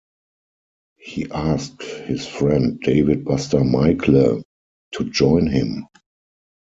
He asked his friend David 'Buster' Meikle to join him.